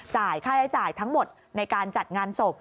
ค่าใช้จ่ายทั้งหมดในการจัดงานศพ